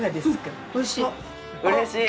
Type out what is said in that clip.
うれしい！